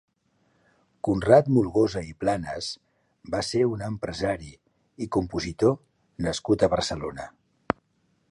Conrad Molgosa i Planas va ser un empresari i compositor nascut a Barcelona.